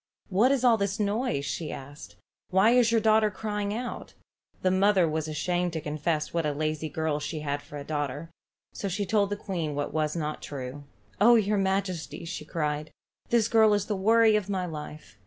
"What is all this noise?" she asked. "Why is your daughter crying out?" The mother was ashamed to confess what a lazy girl she had for a daughter, so she told the queen what was not true. "Oh, your majesty," cried she, "this girl is the worry of my life.